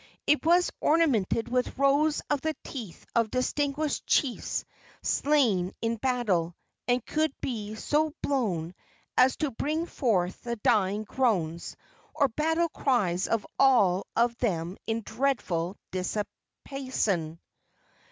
It was ornamented with rows of the teeth of distinguished chiefs slain in battle, and could be so blown as to bring forth the dying groans or battle cries of all of them in dreadful diapason.